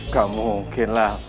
gak mungkin lah